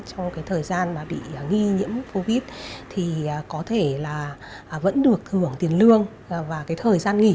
trong thời gian bị nghi nhiễm covid thì có thể là vẫn được thưởng tiền lương và thời gian nghỉ